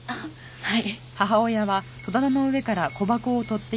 はい。